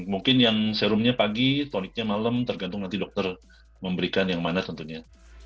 mungkin yang serumnya pagi tonicnya malam tergantung nanti dokter memberikan yang mana tentunya